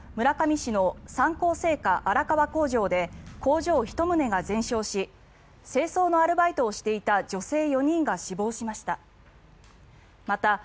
村上市の三幸製菓荒川工場で工場１棟が全焼し清掃のアルバイトをしていた女性４人が死亡しました。